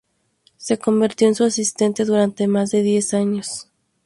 Se convirtió en su asistente durante más de diez años.